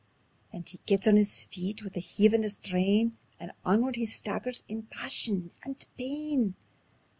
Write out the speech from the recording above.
And he gets on his feet wi' a heave and a strain, And onward he staggers in passion and pain.